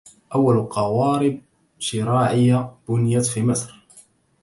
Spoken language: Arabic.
اول قوارب شراعية بنيت في مصر.